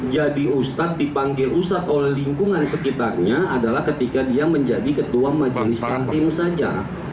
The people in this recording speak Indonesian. jadi ustad dipanggil ustad oleh lingkungan sekitarnya adalah ketika dia menjadi ketua majelis kantin saja